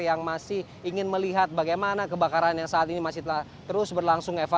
yang masih ingin melihat bagaimana kebakaran yang saat ini masih terus berlangsung eva